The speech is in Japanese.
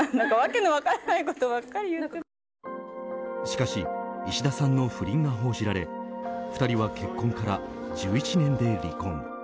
しかし石田さんの不倫が報じられ２人は結婚から１１年で離婚。